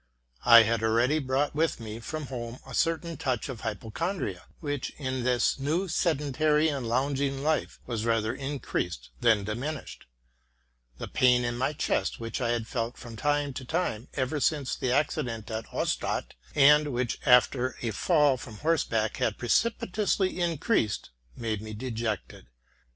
' I had already brought with me from home a certain touch of hypoc hondria, w hich, in this, new sedentary and lounging life, was rather increased than diminished. The pain in my chest, which I had felt from time to time ever since the accident at Auerstadt, and which 1 W''nckelmann was assassinated. —TRANS., 974 TRUTH AND FICTION after a fall from horseback had perceptibly increased, made me dejected.